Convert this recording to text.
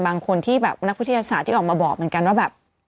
บางคนที่แบบนักวิทยาศาสตร์ที่ออกมาบอกเหมือนกันว่าแบบ